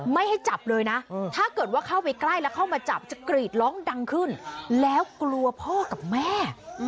ไม่ให้จับเลยนะถ้าเกิดว่าเข้าไปใกล้แล้วเข้ามาจับจะกรีดร้องดังขึ้นแล้วกลัวพ่อกับแม่